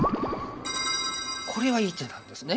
これはいい手なんですね